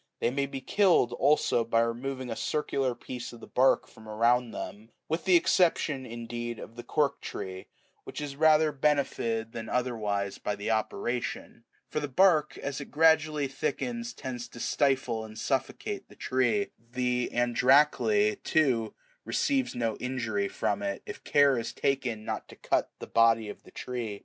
They may be killed, also, by removing a circular piece of the bark from around them, with the exception, in deed, of the cork tree,9 which is rather benefitted than other wise by the operation ; for the bark as it gradually thickens tends to stifle and suffocate the tree : the andrachle,10 too, re ceives no injury from it, if care is taken not to cut the body of the tree.